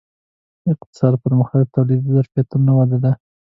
اقتصادي پرمختګ د تولیدي ظرفیتونو وده ده.